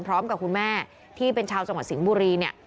พร้อมกับคุณแม่ที่เป็นชาวจังหวัดสิงห์บุรีเนี่ย